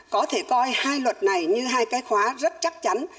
có thể coi hai luật này như hai cái khóa rất chắc chắn